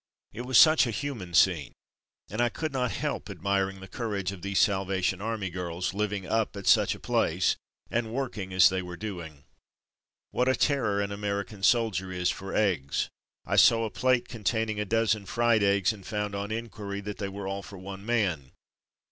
It was such a human scene, and I could not help admiring the courage of 278 From Mud to Mufti these Salvation Army girls, living up at such a place, and working as they were doing. What a terror an American soldier is for eggs! I saw a plate containing a dozen fried eggs, and found on inquiry that they were all for one man.